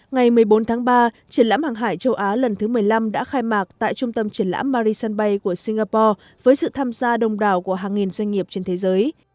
ngày một mươi bốn tháng ba triển lãm hàng hải châu á lần thứ một mươi năm đã khai mạc tại trung tâm triển lãm mari sân bay của singapore với sự tham gia đông đảo của hàng nghìn doanh nghiệp trên thế giới